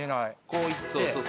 こういって。